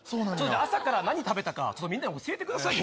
朝から何食べたかちょっとみんなに教えてくださいよ。